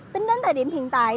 tính đến thời điểm hiện tại